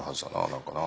何かな。